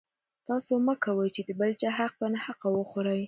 تاسو مه کوئ چې د بل چا حق په ناحقه وخورئ.